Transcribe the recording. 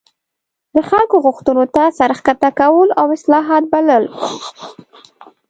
د خلکو غوښتنو ته سر ښکته کول او اصلاحات بلل.